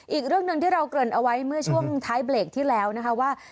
อีกเรื่องหนึ่งที่เราเกริ่นเอาไว้เมื่อช่วงท้ายเบรกที่แล้วนะคะว่า